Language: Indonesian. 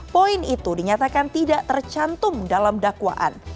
poin itu dinyatakan tidak tercantum dalam dakwaan